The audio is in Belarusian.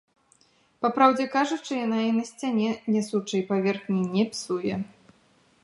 Па праўдзе кажучы, яна і на сцяне нясучай паверхні не псуе.